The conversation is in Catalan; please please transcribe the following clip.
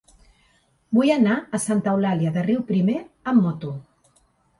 Vull anar a Santa Eulàlia de Riuprimer amb moto.